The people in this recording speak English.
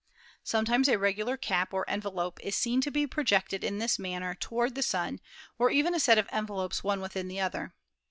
Sometimes a regular cap or en velope is seen to be projected in this manner toward the Sun, or even a set of envelopes one within the other.